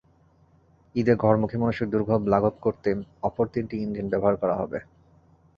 ঈদে ঘরমুখী মানুষের দুর্ভোগ লাগব করতে অপর তিনটি ইঞ্জিন ব্যবহার করা হবে।